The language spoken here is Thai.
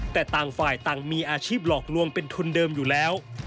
แต่ต่างฝ่ายต่างมีอาชีพหลอกลวงเป็นทุนเดิมอยู่แล้ว